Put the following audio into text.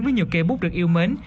với nhiều kê bút được yêu mến